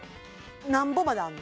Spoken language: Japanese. なんぼまであんの？